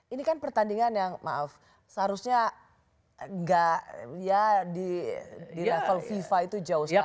ini kan pertandingan yang maaf seharusnya nggak ya di level fifa itu jauh sekali